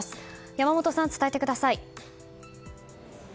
山本さん、伝えてください。